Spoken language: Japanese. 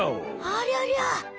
ありゃりゃ！